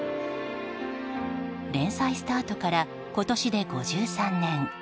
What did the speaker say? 連載スタートから今年で５３年。